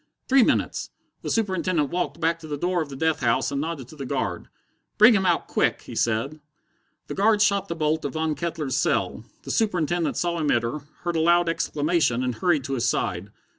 Three minutes! The Superintendent walked back to the door of the death house and nodded to the guard. "Bring him out quick!" he said. The guard shot the bolt of Von Kettler's cell. The Superintendent saw him enter, heard a loud exclamation, and hurried to his side.